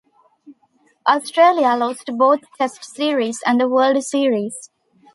Australia lost both Test series and the World Series.